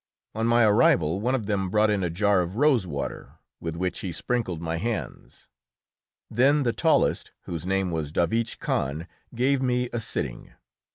On my arrival one of them brought in a jar of rose water, with which he sprinkled my hands; then the tallest, whose name was Davich Kahn, gave me a sitting.